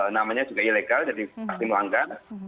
namanya juga ilegal jadi pasti melanggar